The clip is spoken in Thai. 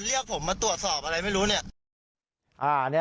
เรียกผมมาตรวจสอบอะไรไม่รู้เนี่ย